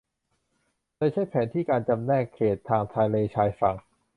โดยใช้แผนที่การจำแนกเขตทางทะเลชายฝั่ง